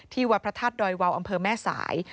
วัดพระธาตุดอยวาวอำเภอแม่สาย